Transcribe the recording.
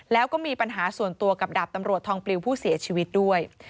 แล้วก็มีปัญหาส่วนตัวกับดาบตำรวจทองปลิวผู้เสียชีวิตด้วย